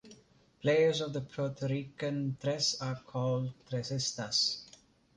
Players of the Puerto Rican tres are called "tresistas".